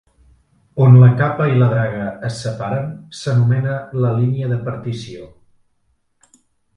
On la capa i la draga es separen s'anomena la línia de partició.